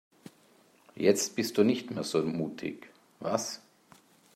Jetzt bist du nicht mehr so mutig, was?